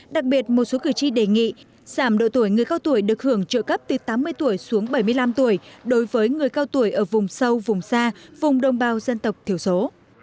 đặc biệt một số cử tri đề nghị giảm độ tuổi người cao tuổi được hưởng trợ cấp từ tám mươi tuổi xuống bảy mươi năm tuổi đối với người cao tuổi ở vùng sâu vùng xa vùng đồng bào dân tộc thiểu số